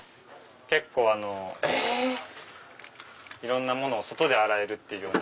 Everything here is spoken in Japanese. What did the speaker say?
結構いろんなものを外で洗えるっていうような。